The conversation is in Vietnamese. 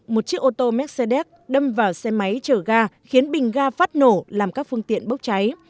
một chiếc ô tô mercedes đâm vào xe máy chở ga khiến bình ga phát nổ làm các phương tiện bốc cháy